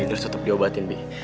bisa tetep diobatin bi